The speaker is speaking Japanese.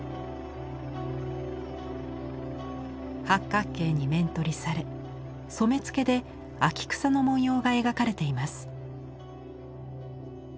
八角形に面取りされ染め付けで秋草の文様が描かれています。